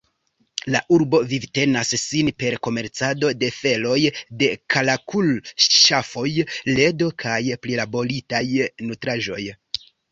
La urbo vivtenas sin per komercado de feloj de karakul-ŝafoj, ledo kaj prilaboritaj nutraĵoj.